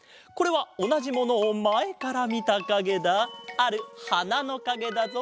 あるはなのかげだぞ。